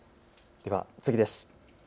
では次です。